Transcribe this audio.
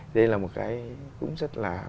đây là một cái cũng rất là